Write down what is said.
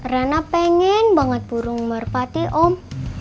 rana pengen banget burung merpati om